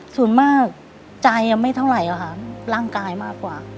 ส่วนมากใจไม่เท่าไหร่ร่างกายมากกว่า